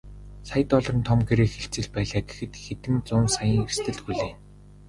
Сая долларын том гэрээ хэлцэл байлаа гэхэд хэдэн зуун саяын эрсдэл хүлээнэ.